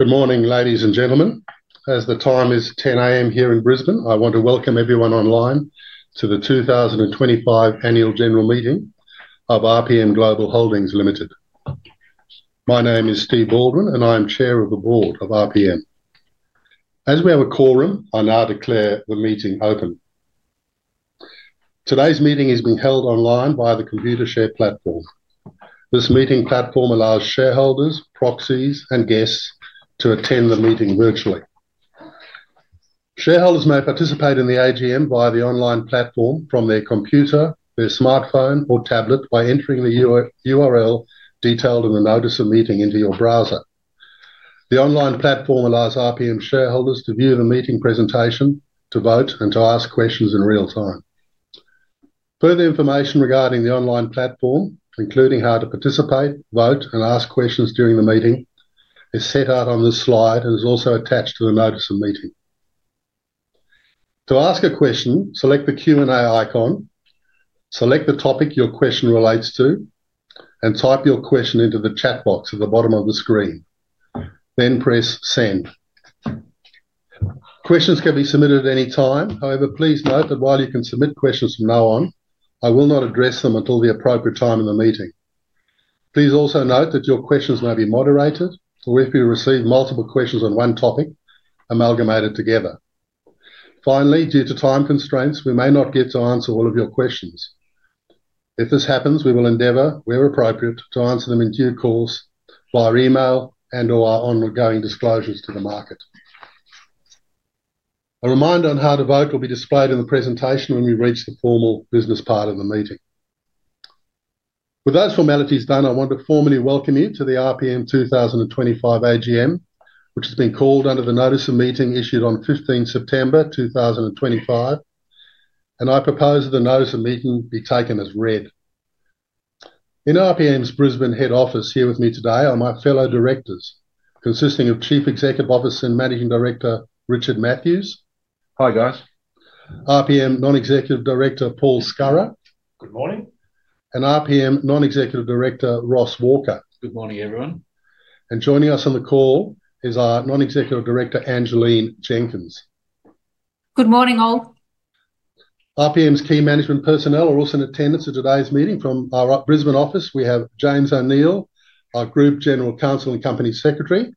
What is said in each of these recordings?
Good morning, ladies and gentlemen. As the time is 10:00 A.M. here in Brisbane, I want to welcome everyone online to the 2025 annual general meeting of RPMGlobal Holdings Limited. My name is Stephen Baldwin, and I am Chair of the Board of RPM. As we have a quorum, I now declare the meeting open. Today's meeting is being held online via the Computershare platform. This meeting platform allows shareholders, proxies, and guests to attend the meeting virtually. Shareholders may participate in the annual general meeting via the online platform from their computer, their smartphone, or tablet by entering the URL detailed in the notice of meeting into your browser. The online platform allows RPM shareholders to view the meeting presentation, to vote, and to ask questions in real time. Further information regarding the online platform, including how to participate, vote, and ask questions during the meeting, is set out on this slide and is also attached to the notice of meeting. To ask a question, select the Q&A icon, select the topic your question relates to, and type your question into the chat box at the bottom of the screen. Then press send. Questions can be submitted at any time. However, please note that while you can submit questions from now on, I will not address them until the appropriate time in the meeting. Please also note that your questions may be moderated or if we receive multiple questions on one topic, amalgamated together. Finally, due to time constraints, we may not get to answer all of your questions. If this happens, we will endeavor, where appropriate, to answer them in due course via email and/or our ongoing disclosures to the market. A reminder on how to vote will be displayed in the presentation when we reach the formal business part of the meeting. With those formalities done, I want to formally welcome you to the RPM 2025 annual general meeting, which has been called under the notice of meeting issued on 15 September 2025. I propose that the notice of meeting be taken as read. In RPM's Brisbane head office here with me today are my fellow directors, consisting of Chief Executive Officer and Managing Director Richard Mathews. Hi, guys. Limited Non-Executive Director Paul Scurrah. Good morning. Holdings Limited Non-Executive Director Ross Walker. Good morning, everyone. Joining us on the call is our Non-Executive Director, Angeleen Jenkins. Good morning, all. RPM's key management personnel are also in attendance at today's meeting from our Brisbane office. We have James O'Neill, our Group General Counsel and Company Secretary,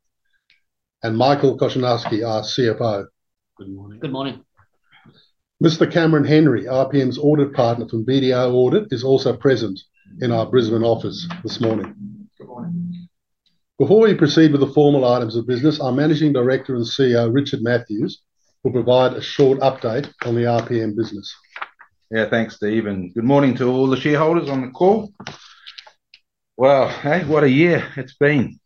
and Michael Kochanowski, our CFO. Good morning. Good morning. Mr. Cameron Henry, RPM's Audit Partner from BDO Audit, is also present in our Brisbane office this morning. Good morning. Before we proceed with the formal items of business, our Managing Director and CEO, Richard Mathews, will provide a short update on the RPM business. Yeah, thanks, Steve. Good morning to all the shareholders on the call. What a year it's been.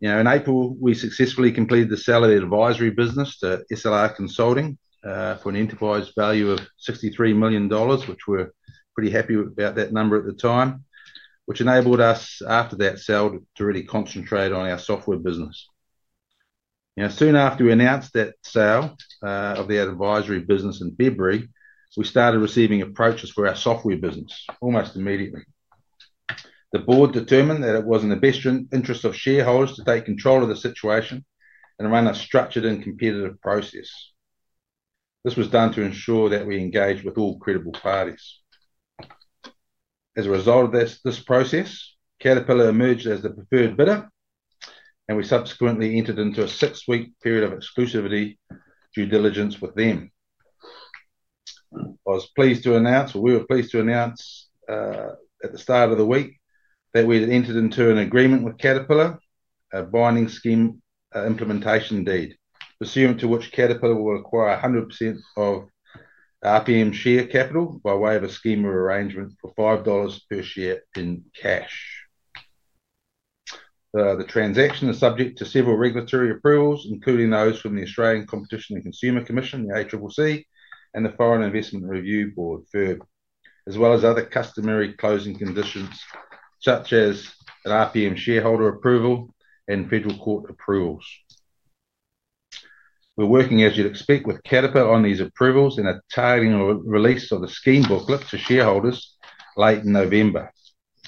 In April, we successfully completed the sale of the advisory business to SLR Consulting for an enterprise value of $63 million, which we're pretty happy about that number at the time, which enabled us, after that sale, to really concentrate on our software business. Soon after we announced that sale of the advisory business in Brisbane, we started receiving approaches for our software business almost immediately. The board determined that it was in the best interest of shareholders to take control of the situation and run a structured and competitive process. This was done to ensure that we engaged with all credible parties. As a result of this process, Caterpillar emerged as the preferred bidder, and we subsequently entered into a six-week period of exclusivity due diligence with them. I was pleased to announce, or we were pleased to announce at the start of the week that we had entered into an agreement with Caterpillar, a binding scheme implementation deed, pursuant to which Caterpillar will acquire 100% of RPM's share capital by way of a scheme of arrangement for $5 per share in cash. The transaction is subject to several regulatory approvals, including those from the Australian Competition and Consumer Commission, the ACCC, and the Foreign Investment Review Board, FIRB, as well as other customary closing conditions such as an RPM shareholder approval and federal court approvals. We're working, as you'd expect, with Caterpillar on these approvals and targeting release of the scheme booklet to shareholders late in November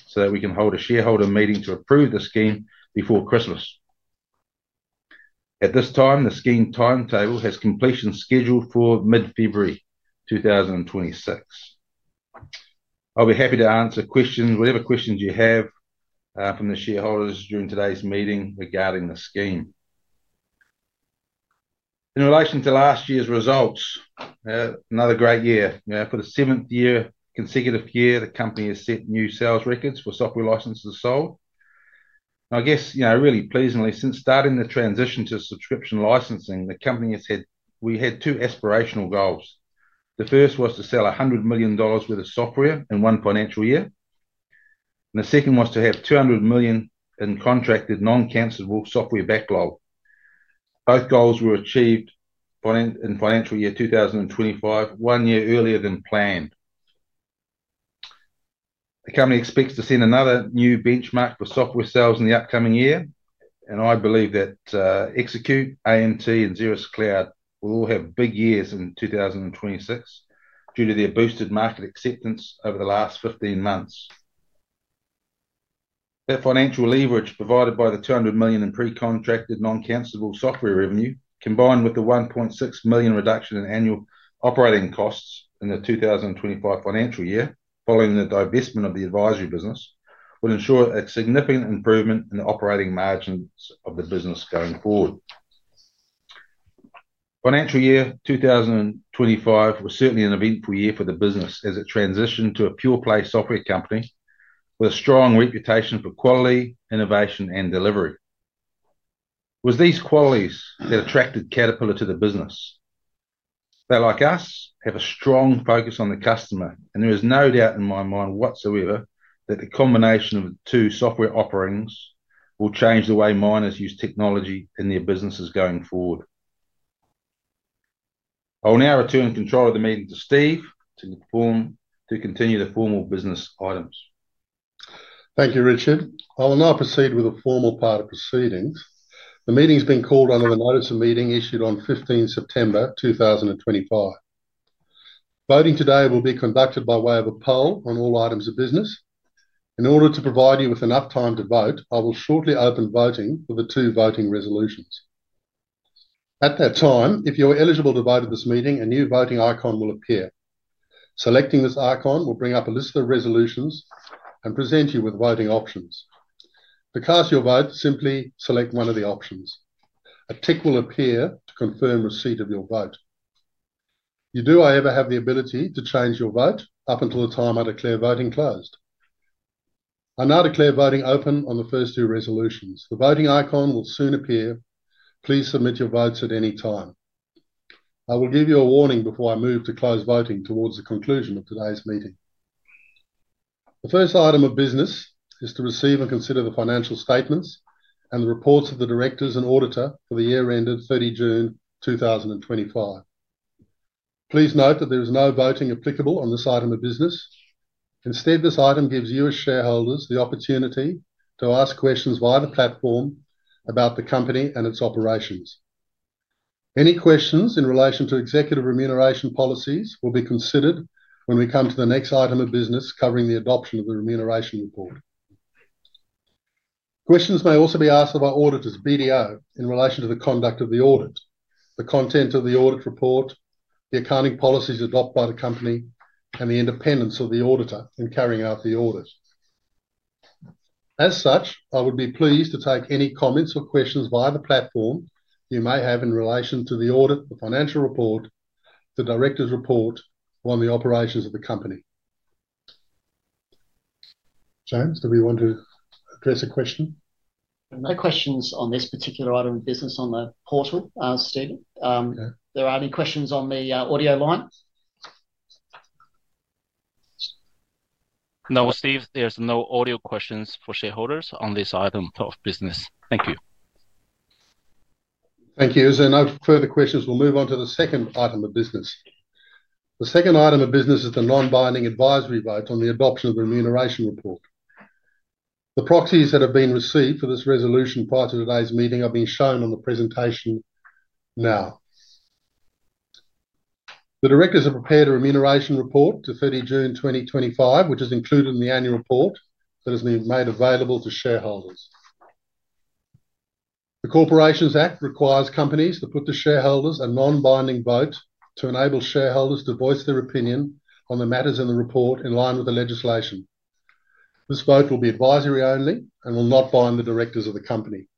so that we can hold a shareholder meeting to approve the scheme before Christmas. At this time, the scheme timetable has completion scheduled for mid-February 2026. I'll be happy to answer questions, whatever questions you have from the shareholders during today's meeting regarding the scheme. In relation to last year's results, another great year. For the seventh consecutive year, the company has set new sales records for software licenses sold. Really pleasingly, since starting the transition to subscription licensing, the company has had, we had two aspirational goals. The first was to sell $100 million worth of software in one financial year, and the second was to have $200 million in contracted non-cancellable software backlog. Both goals were achieved in financial year 2025, one year earlier than planned. The company expects to set another new benchmark for software sales in the upcoming year, and I believe that Execute, AMT, and Xeris Cloud will all have big years in 2026 due to their boosted market acceptance over the last 15 months. That financial leverage provided by the $200 million in pre-contracted non-cancellable software revenue, combined with the $1.6 million reduction in annual operating costs in the 2025 financial year following the divestment of the advisory business, will ensure a significant improvement in the operating margins of the business going forward. Financial year 2025 was certainly an eventful year for the business as it transitioned to a pure-play software company with a strong reputation for quality, innovation, and delivery. It was these qualities that attracted Caterpillar to the business. They, like us, have a strong focus on the customer, and there is no doubt in my mind whatsoever that the combination of the two software offerings will change the way miners use technology in their businesses going forward. I will now return control of the meeting to Steve to continue the formal business items. Thank you, Richard. I will now proceed with the formal part of proceedings. The meeting's been called under the notice of meeting issued on 15 September 2025. Voting today will be conducted by way of a poll on all items of business. In order to provide you with enough time to vote, I will shortly open voting for the two voting resolutions. At that time, if you're eligible to vote at this meeting, a new voting icon will appear. Selecting this icon will bring up a list of resolutions and present you with voting options. To cast your vote, simply select one of the options. A tick will appear to confirm receipt of your vote. You do, however, have the ability to change your vote up until the time I declare voting closed. I now declare voting open on the first two resolutions. The voting icon will soon appear. Please submit your votes at any time. I will give you a warning before I move to close voting towards the conclusion of today's meeting. The first item of business is to receive and consider the financial statements and the reports of the directors and auditor for the year ended 30 June 2025. Please note that there is no voting applicable on this item of business. Instead, this item gives you as shareholders the opportunity to ask questions via the platform about the company and its operations. Any questions in relation to executive remuneration policies will be considered when we come to the next item of business covering the adoption of the remuneration report. Questions may also be asked of our auditors, BDO, in relation to the conduct of the audit, the content of the audit report, the accounting policies adopted by the company, and the independence of the auditor in carrying out the audit. As such, I would be pleased to take any comments or questions via the platform you may have in relation to the audit, the financial report, the director's report, or on the operations of the company. James, do we want to address a question? No questions on this particular item of business on the portal, Steve. Okay. Are there any questions on the audio line? No, Steve, there's no audio questions for shareholders on this item of business. Thank you. Thank you. If there are no further questions, we'll move on to the second item of business. The second item of business is the non-binding advisory vote on the adoption of the remuneration report. The proxies that have been received for this resolution prior to today's meeting are being shown on the presentation now. The directors have prepared a remuneration report to 30 June 2025, which is included in the annual report that is made available to shareholders. The Corporations Act requires companies to put to the shareholders a non-binding vote to enable shareholders to voice their opinion on the matters in the report in line with the legislation. This vote will be advisory only and will not bind the directors of the company.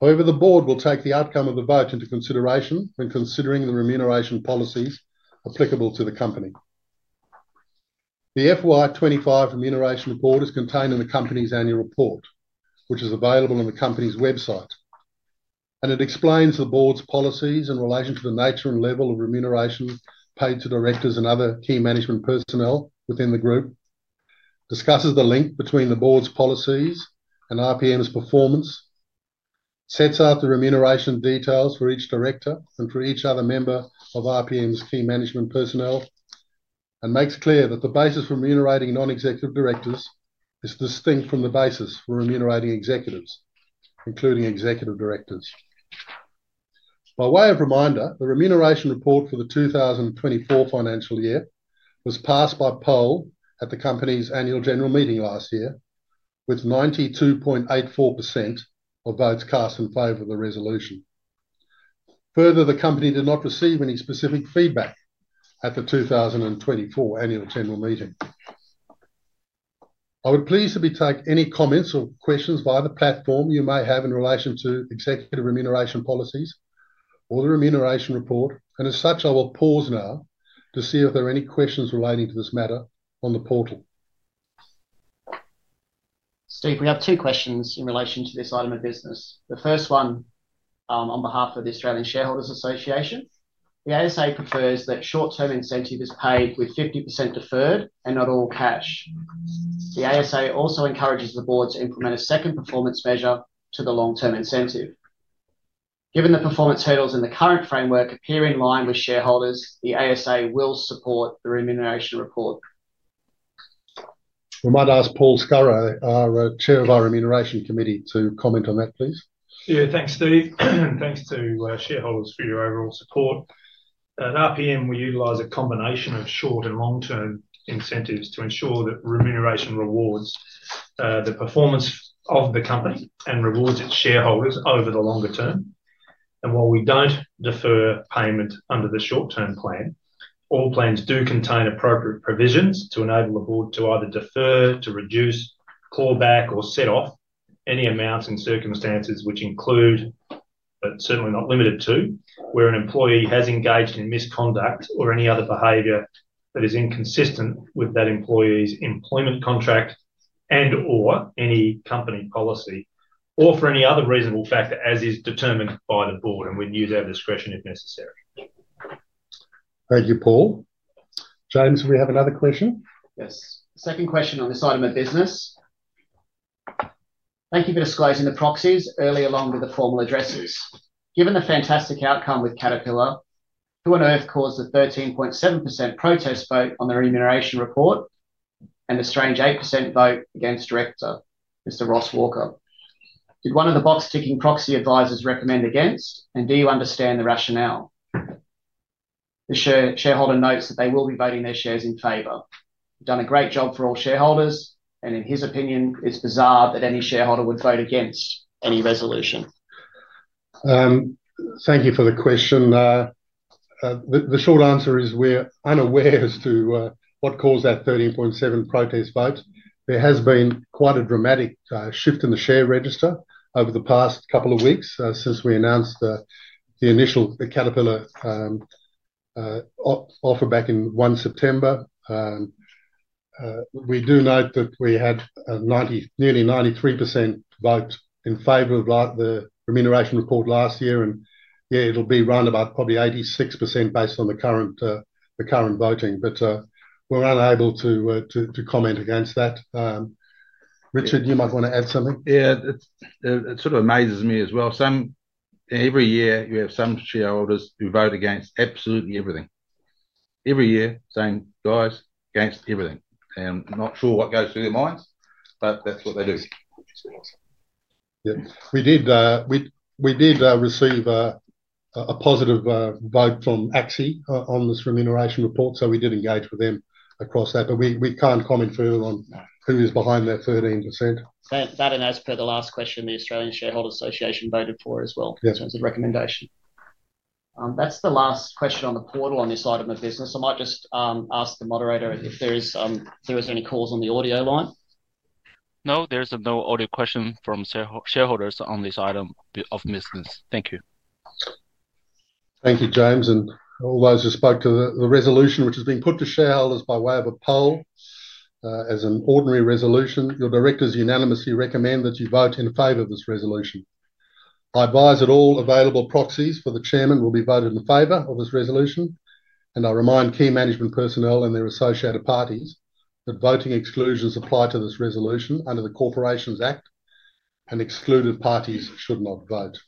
However, the board will take the outcome of the vote into consideration when considering the remuneration policies applicable to the company. The FY 2025 remuneration report is contained in the company's annual report, which is available on the company's website, and it explains the board's policies in relation to the nature and level of remuneration paid to directors and other key management personnel within the group, discusses the link between the board's policies and RPM's performance, sets out the remuneration details for each director and for each other member of RPM's key management personnel, and makes clear that the basis for remunerating non-executive directors is distinct from the basis for remunerating executives, including executive directors. By way of reminder, the remuneration report for the 2024 financial year was passed by poll at the company's annual general meeting last year with 92.84% of votes cast in favor of the resolution. Further, the company did not receive any specific feedback at the 2024 annual general meeting. I would be pleased to take any comments or questions via the platform you may have in relation to executive remuneration policies or the remuneration report, and as such, I will pause now to see if there are any questions relating to this matter on the portal. Steve, we have two questions in relation to this item of business. The first one, on behalf of the Australian Shareholders Association, the ASA prefers that short-term incentive is paid with 50% deferred and not all cash. The ASA also encourages the Board to implement a second performance measure to the long-term incentive. Given the performance hurdles in the current framework appear in line with shareholders, the ASA will support the remuneration report. We might ask Paul Scurrah, our Chair of our Remuneration Committee, to comment on that, please. Yeah, thanks, Steve. Thanks to shareholders for your overall support. At RPM, we utilize a combination of short and long-term incentives to ensure that remuneration rewards the performance of the company and rewards its shareholders over the longer term. While we don't defer payment under the short-term plan, all plans do contain appropriate provisions to enable the board to either defer, reduce, claw back, or set off any amounts in circumstances which include, but certainly are not limited to, where an employee has engaged in misconduct or any other behavior that is inconsistent with that employee's employment contract and/or any company policy, or for any other reasonable factor as is determined by the board. We'd use our discretion if necessary. Thank you, Paul. James, do we have another question? Yes. Second question on this item of business. Thank you for disclosing the proxies earlier along with the formal addresses. Given the fantastic outcome with Caterpillar, who on earth caused the 13.7% protest vote on the remuneration report and the strange 8% vote against Director, Mr. Ross Walker? Did one of the box-ticking proxy advisors recommend against, and do you understand the rationale? The shareholder notes that they will be voting their shares in favor. You've done a great job for all shareholders, and in his opinion, it's bizarre that any shareholder would vote against any resolution. Thank you for the question. The short answer is we're unaware as to what caused that 13.7% protest vote. There has been quite a dramatic shift in the share register over the past couple of weeks since we announced the initial Caterpillar offer back in 1 September. We do note that we had a nearly 93% vote in favor of the remuneration report last year, and it'll be round about probably 86% based on the current voting, but we're unable to comment against that. Richard, you might want to add something. Yeah, it sort of amazes me as well. Every year, you have some shareholders who vote against absolutely everything. Every year, saying, "Guys, against everything." I'm not sure what goes through their minds, but that's what they do. Yeah. We did receive a positive vote from ASX on this remuneration report, so we did engage with them across that, but we can't comment further on who is behind that 13%. That announcement, the last question, the Australian Shareholders Association voted for as well in terms of recommendation. That's the last question on the portal on this item of business. I might just ask the moderator if there's any calls on the audio line. No, there's no audio question from shareholders on this item of business. Thank you. Thank you, James, and all those who spoke to the resolution, which has been put to shareholders by way of a poll as an ordinary resolution. Your directors unanimously recommend that you vote in favor of this resolution. I advise that all available proxies for the Chairman will be voted in favor of this resolution, and I remind key management personnel and their associated parties that voting exclusions apply to this resolution under the Corporations Act, and excluded parties should not vote.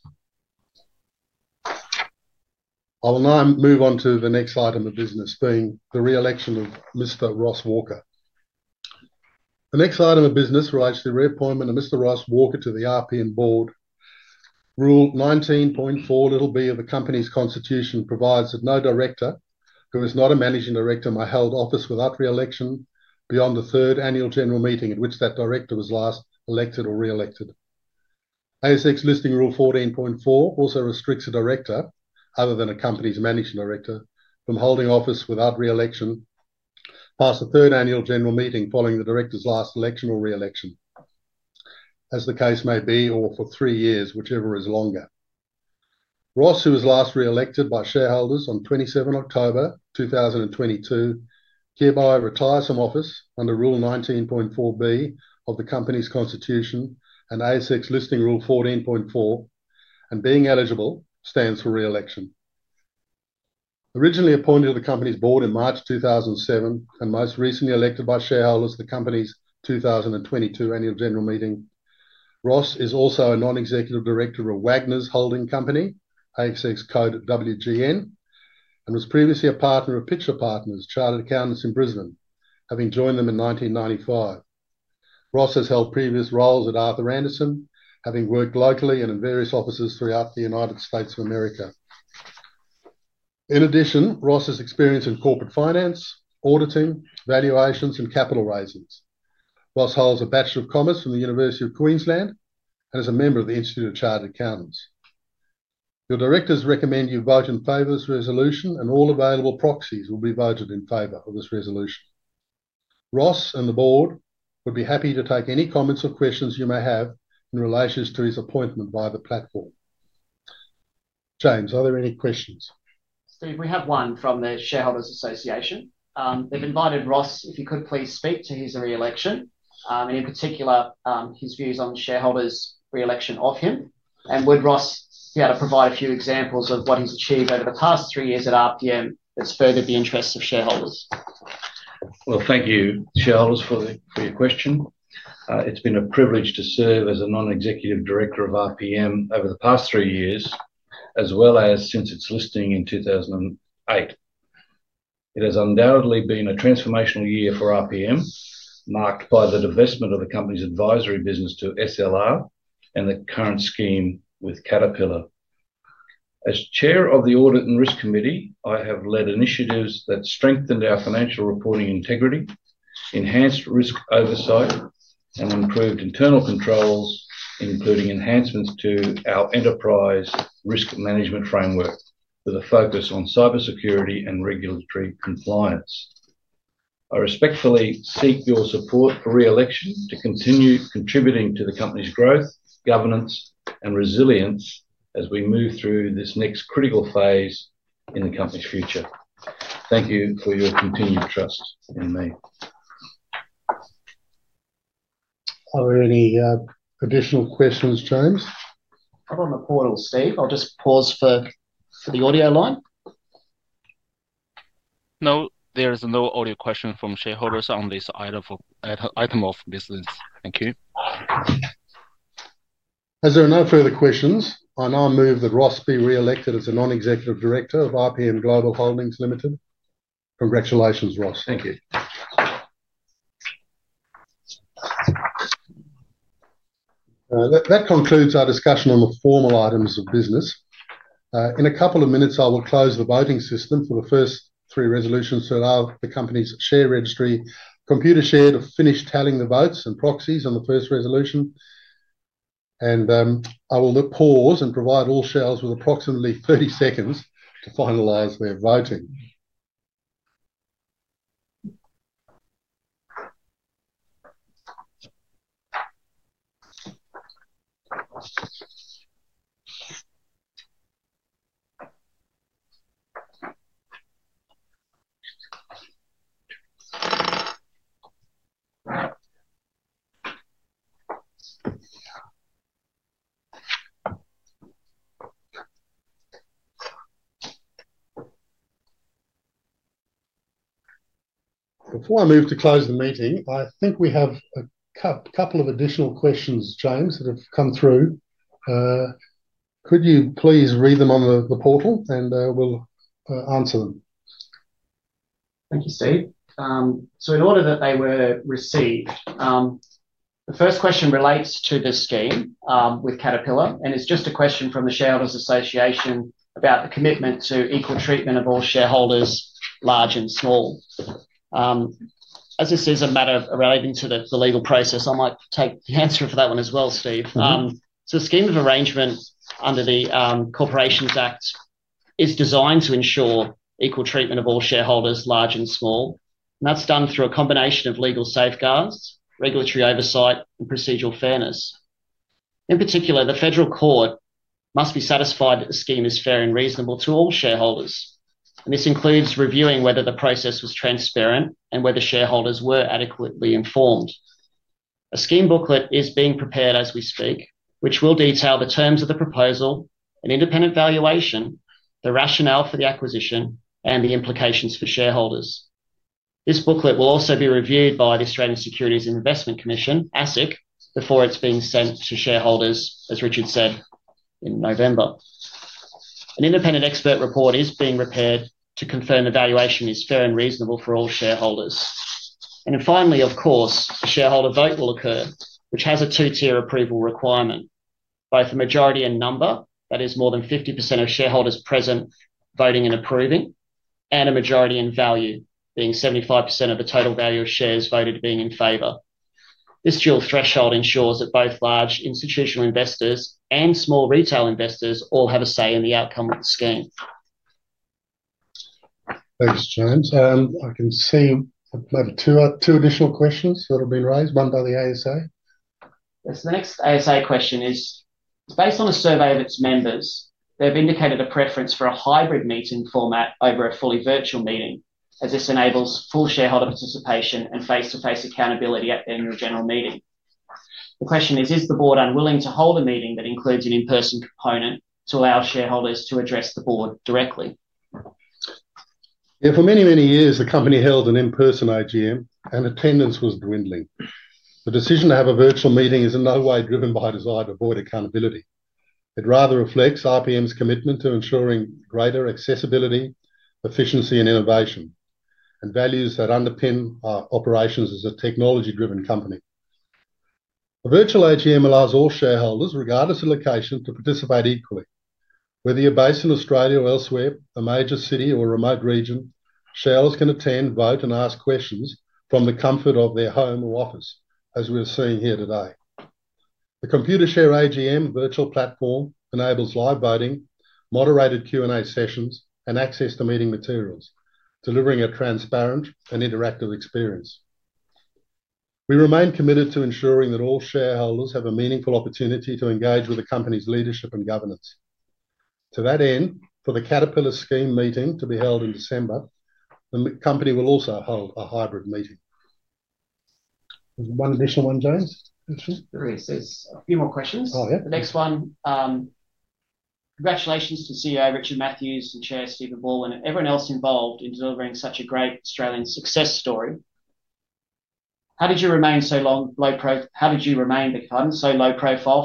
I will now move on to the next item of business, being the reelection of Mr. Ross Walker. The next item of business relates to the reappointment of Mr. Ross Walker to the RPM board. Rule 19.4(b) of the company's constitution provides that no director who is not a Managing Director may hold office without reelection beyond the third annual general meeting at which that director was last elected or reelected. ASX Listing Rule 14.4 also restricts a director, other than a company's Managing Director, from holding office without reelection past the third annual general meeting following the director's last election or reelection, as the case may be, or for three years, whichever is longer. Ross, who was last reelected by shareholders on 27 October 2022, hereby retires from office under Rule 19.4(b) of the company's constitution and ASX Listing Rule 14.4, and being eligible stands for reelection. Originally appointed to the company's board in March 2007 and most recently elected by shareholders at the company's 2022 annual general meeting, Ross is also a Non-Executive Director of Wagner's Holding Company, ASX code WGN, and was previously a partner of Pitcher Partners, chartered accountants in Brisbane, having joined them in 1995. Ross has held previous roles at Arthur Andersen, having worked locally and in various offices throughout the United States of America. In addition, Ross has experience in corporate finance, auditing, valuations, and capital raisings. Ross holds a Bachelor of Commerce from the University of Queensland and is a member of the Institute of Chartered Accountants. Your directors recommend you vote in favor of this resolution, and all available proxies will be voted in favor of this resolution. Ross and the board would be happy to take any comments or questions you may have in relation to his appointment via the platform. James, are there any questions? Steve, we have one from the Shareholders Association. They've invited Ross, if you could please speak to his reelection, in particular, his views on shareholders' reelection of him. Would Ross be able to provide a few examples of what he's achieved over the past three years at RPM that's furthered the interests of shareholders? Thank you, shareholders, for your question. It's been a privilege to serve as a Non-Executive Director of RPM over the past three years, as well as since its listing in 2008. It has undoubtedly been a transformational year for RPM, marked by the divestment of the company's advisory business to SLR Consulting and the current scheme with Caterpillar. As Chair of the Audit and Risk Committee, I have led initiatives that strengthened our financial reporting integrity, enhanced risk oversight, and improved internal controls, including enhancements to our enterprise risk management framework with a focus on cybersecurity and regulatory compliance. I respectfully seek your support for reelection to continue contributing to the company's growth, governance, and resilience as we move through this next critical phase in the company's future. Thank you for your continued trust in me. Are there any additional questions, James? Not on the portal, Steve. I'll just pause for the audio line. No, there is no audio question from shareholders on this item of business. Thank you. If there are no further questions, I now move that Ross be reelected as a Non-Executive Director of RPMGlobal Holdings Limited. Congratulations, Ross. Thank you. That concludes our discussion on the formal items of business. In a couple of minutes, I will close the voting system for the first three resolutions to allow the company's share registry, Computershare, to finish tallying the votes and proxies on the first resolution. I will pause and provide all shareholders with approximately 30 seconds to finalize their voting. Before I move to close the meeting, I think we have a couple of additional questions, James, that have come through. Could you please read them on the portal and we'll answer them? Thank you, Steve. In order that they were received, the first question relates to the scheme with Caterpillar, and it's just a question from the Shareholders Association about the commitment to equal treatment of all shareholders, large and small. As this is a matter relating to the legal process, I might take the answer for that one as well, Steve. The scheme of arrangement under the Corporations Act is designed to ensure equal treatment of all shareholders, large and small, and that's done through a combination of legal safeguards, regulatory oversight, and procedural fairness. In particular, the Federal Court must be satisfied that the scheme is fair and reasonable to all shareholders, and this includes reviewing whether the process was transparent and whether shareholders were adequately informed. A scheme booklet is being prepared as we speak, which will detail the terms of the proposal, an independent valuation, the rationale for the acquisition, and the implications for shareholders. This booklet will also be reviewed by the Australian Securities and Investments Commission, ASIC, before it's sent to shareholders, as Richard said, in November. An independent expert report is being prepared to confirm the valuation is fair and reasonable for all shareholders. Finally, of course, a shareholder vote will occur, which has a two-tier approval requirement, both a majority in number, that is, more than 50% of shareholders present voting and approving, and a majority in value, being 75% of the total value of shares voted being in favor. This dual threshold ensures that both large institutional investors and small retail investors all have a say in the outcome of the scheme. Thanks, James. I can see I have two additional questions that have been raised, one by the ASA. Yes, the next ASA question is, based on a survey of its members, they've indicated a preference for a hybrid meeting format over a fully virtual meeting, as this enables full shareholder participation and face-to-face accountability at the annual general meeting. The question is, is the board unwilling to hold a meeting that includes an in-person component to allow shareholders to address the board directly? For many, many years, the company held an in-person AGM, and attendance was dwindling. The decision to have a virtual meeting is in no way driven by a desire to avoid accountability. It rather reflects RPM's commitment to ensuring greater accessibility, efficiency, and innovation, and values that underpin our operations as a technology-driven company. A virtual AGM allows all shareholders, regardless of location, to participate equally. Whether you're based in Australia or elsewhere, a major city or a remote region, shareholders can attend, vote, and ask questions from the comfort of their home or office, as we're seeing here today. The Computershare AGM virtual platform enables live voting, moderated Q&A sessions, and access to meeting materials, delivering a transparent and interactive experience. We remain committed to ensuring that all shareholders have a meaningful opportunity to engage with the company's leadership and governance. To that end, for the Caterpillar scheme meeting to be held in December, the company will also hold a hybrid meeting. One additional one, James? There are a few more questions. Oh, yeah. Congratulations to CEO Richard Mathews and Chair Stephen Baldwin, and everyone else involved in delivering such a great Australian success story. How did you remain so low profile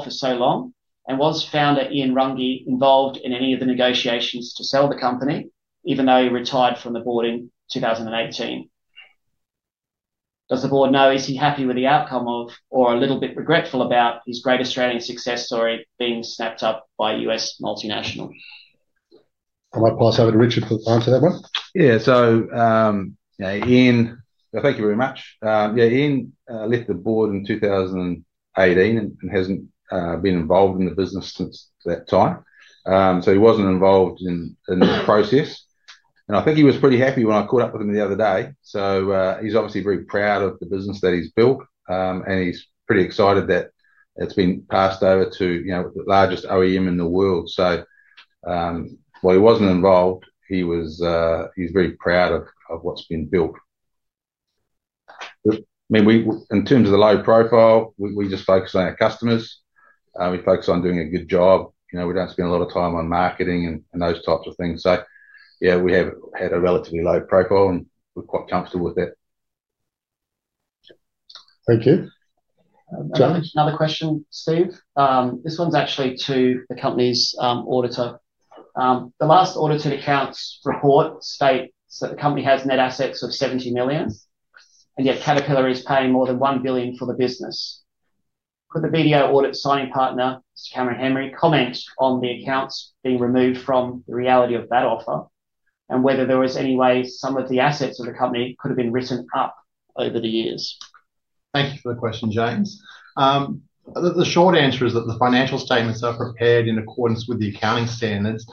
for so long, and was founder Ian Runge involved in any of the negotiations to sell the company, even though he retired from the board in 2018? Does the board know? Is he happy with the outcome of, or a little bit regretful about, his great Australian success story being snapped up by a U.S. multinational? I might pass over to Richard for the answer to that one. Thank you very much. Ian left the board in 2018 and hasn't been involved in the business since that time. He wasn't involved in the process. I think he was pretty happy when I caught up with him the other day. He's obviously very proud of the business that he's built, and he's pretty excited that it's been passed over to the largest OEM in the world. He wasn't involved. He was very proud of what's been built. In terms of the low profile, we just focus on our customers. We focus on doing a good job. We don't spend a lot of time on marketing and those types of things. We have had a relatively low profile, and we're quite comfortable with that. Thank you. Another question, Steve. This one's actually to the company's auditor. The last audited accounts report states that the company has net assets of $70 million, and yet Caterpillar is paying more than $1 billion for the business. Could the BDO Audit Signing Partner, Mr. Cameron Henry, comment on the accounts being removed from the reality of that offer and whether there was any way some of the assets of the company could have been written up over the years? Thank you for the question, James. The short answer is that the financial statements are prepared in accordance with the accounting standards,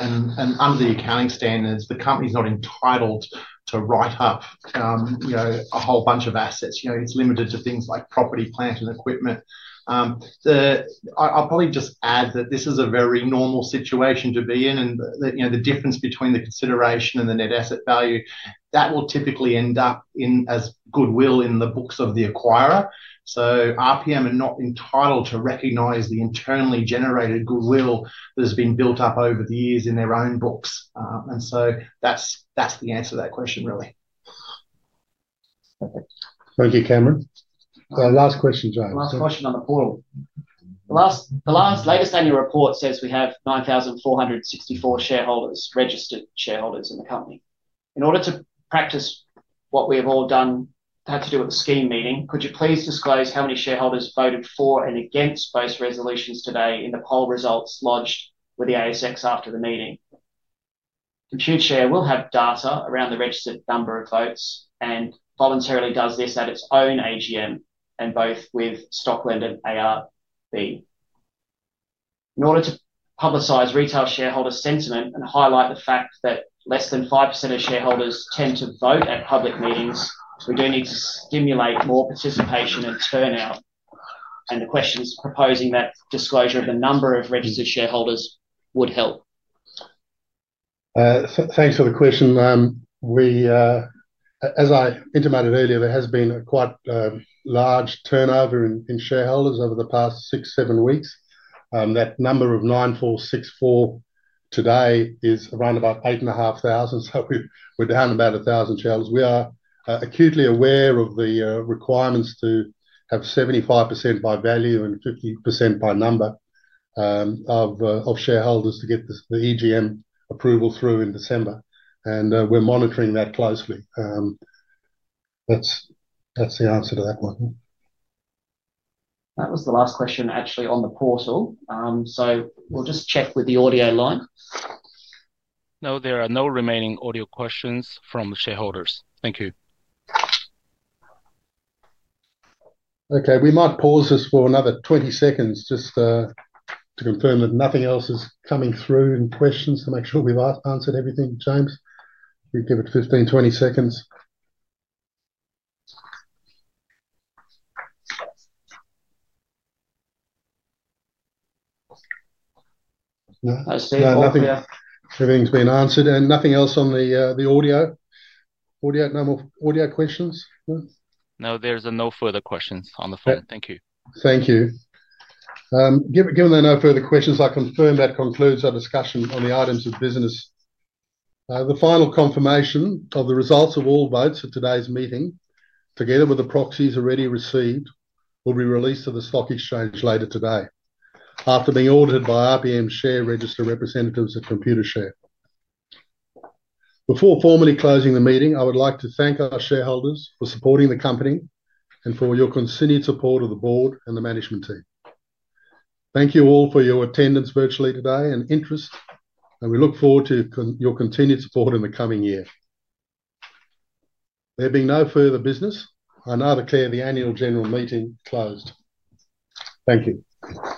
and under the accounting standards, the company's not entitled to write up a whole bunch of assets. It's limited to things like property, plant, and equipment. I'll probably just add that this is a very normal situation to be in, and the difference between the consideration and the net asset value, that will typically end up as goodwill in the books of the acquirer. RPM are not entitled to recognize the internally generated goodwill that has been built up over the years in their own books. That's the answer to that question, really. Thank you, Cameron. Last question, James. Last question on the portal. The latest annual report says we have 9,464 registered shareholders in the company. In order to practice what we have all had to do with the scheme meeting, could you please disclose how many shareholders voted for and against both resolutions today in the poll results lodged with the ASX after the meeting? Computershare will have data around the registered number of votes and voluntarily does this at its own AGM and both with Stockland and ARB. In order to publicize retail shareholder sentiment and highlight the fact that less than 5% of shareholders tend to vote at public meetings, we do need to stimulate more participation and turnout. The question is proposing that disclosure of the number of registered shareholders would help. Thanks for the question. As I intimated earlier, there has been a quite large turnover in shareholders over the past six, seven weeks. That number of 9,464 today is around about 8,500. We're down about 1,000 shareholders. We are acutely aware of the requirements to have 75% by value and 50% by number of shareholders to get the AGM approval through in December. We're monitoring that closely. That's the answer to that one. That was the last question, actually, on the portal. We'll just check with the audio line. No, there are no remaining audio questions from the shareholders. Thank you. Okay, we might pause this for another 20 seconds just to confirm that nothing else is coming through in questions to make sure we've answered everything, James. If you give it 15, 20 seconds. No, nothing. Everything's been answered, and nothing else on the audio. No more audio questions? No, there's no further questions on the phone. Thank you. Thank you. Given there are no further questions, I confirm that concludes our discussion on the items of business. The final confirmation of the results of all votes at today's meeting, together with the proxies already received, will be released to the stock exchange later today after being audited by RPMGlobal Holdings Limited share register representatives at Computershare. Before formally closing the meeting, I would like to thank our shareholders for supporting the company and for your continued support of the board and the management team. Thank you all for your attendance virtually today and interest, and we look forward to your continued support in the coming year. There being no further business, I now declare the annual general meeting closed. Thank you.